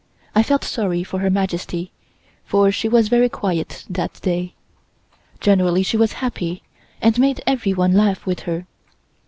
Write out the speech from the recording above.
I felt sorry for Her Majesty, for she was very quiet that day. Generally she was happy, and made everyone laugh with her.